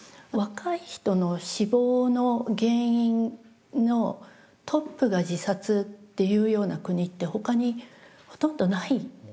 若い人の死亡の原因のトップが自殺っていうような国ってほかにほとんどない。